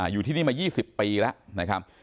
อยู่ที่นี่มายี่สิบปีแล้ว